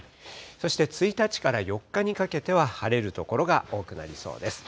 そして１日から４日にかけては晴れる所が多くなりそうです。